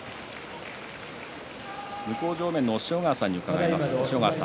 向正面、押尾川さんに伺います。